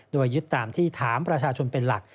โดยยึดตามที่ถามประชาชนเป็นหลัก